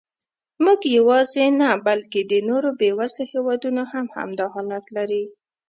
موږ یواځې نه، بلکې د نورو بېوزلو هېوادونو هم همدا حالت لري.